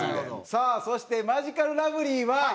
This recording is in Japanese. さあそしてマヂカルラブリーは。